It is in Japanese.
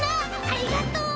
ありがとう！